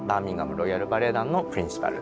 ロイヤル・バレエ団のプリンシパル。